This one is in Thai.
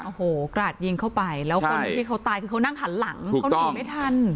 โอ้โหกราดยิงเข้าไปแล้วคนที่เขาตายคือเขานั่งหันหลังเขาหนีไม่ทัน